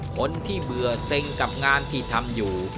คนที่เบื่อเซ็งกับงานที่ทำอยู่